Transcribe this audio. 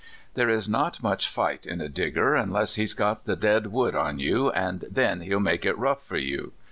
" There is not much light in a Digger unless he's got the dead wood on you, an' then he'll make it rough for you.